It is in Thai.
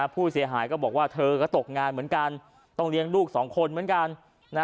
ผู้เสียหายก็บอกว่าเธอก็ตกงานเหมือนกันต้องเลี้ยงลูกสองคนเหมือนกัน